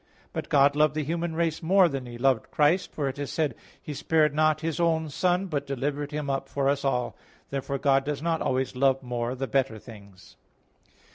But God loved the human race more than He loved Christ; for it is said: "He spared not His own Son, but delivered Him up for us all" (Rom. 8:32). Therefore God does not always love more the better things.